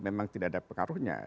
memang tidak ada pengaruhnya